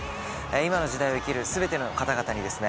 今の時代を生きる全ての方々にですね